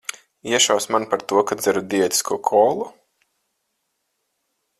Iešausi man par to, ka dzeru diētisko kolu?